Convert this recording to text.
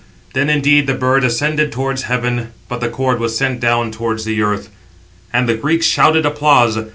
Then indeed the bird ascended towards heaven, but the cord was sent down towards the earth: and the Greeks shouted applause.